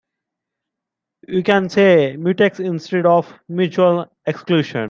You can say mutex instead of mutual exclusion.